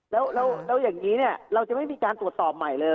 แล้วอย่างนี้เราจะไม่มีการตรวจสอบใหม่เลย